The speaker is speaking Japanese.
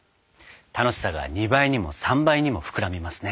楽しさが２倍にも３倍にも膨らみますね。